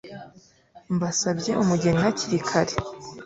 mbasabye umugeni hakiri kare”